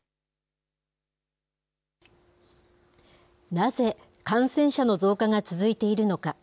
なぜ、感染者の増加が続いているのか。